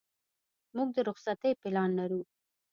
موږ د رخصتۍ پلان لرو.